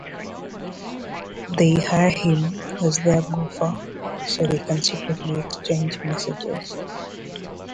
They hire him as their gofer so they can secretly exchange messages.